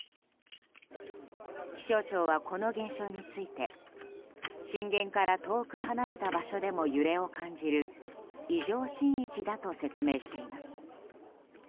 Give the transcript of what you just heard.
気象庁は、この現象について震源から遠く離れた場所でも揺れを感じる異常震域だと説明しています。